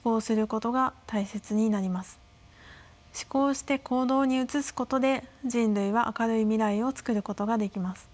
思考して行動に移すことで人類は明るい未来をつくることができます。